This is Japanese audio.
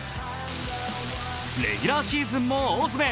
レギュラーシーズンも大詰め。